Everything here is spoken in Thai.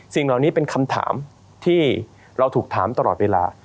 สิ่งเหล่านี้เป็นคำถามที่เราถูกถามตลอดเวลา